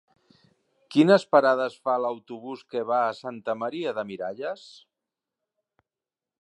Quines parades fa l'autobús que va a Santa Maria de Miralles?